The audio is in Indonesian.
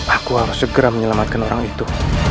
aku harus segera menyelamatkan orang itu